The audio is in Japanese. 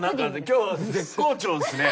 今日絶好調ですね。